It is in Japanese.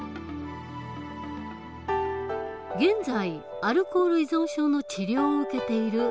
現在アルコール依存症の治療を受けている３０代の男性。